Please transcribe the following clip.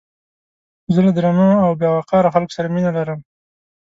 زه له درنو او باوقاره خلکو سره مينه لرم